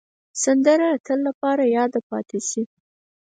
سندره د تل لپاره یاده پاتې شي